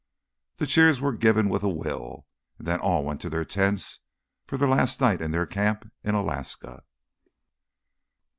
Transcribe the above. The cheers were given with a will, then all went to their tents for their last night in their camp in Alaska.